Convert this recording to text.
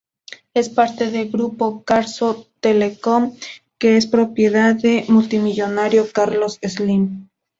Es parte de Grupo Carso Telecom, que es propiedad del multimillonario Carlos Slim.